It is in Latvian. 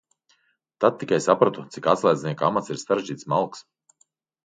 Tad tikai sapratu, cik atslēdznieka amats ir sarežģīti smalks.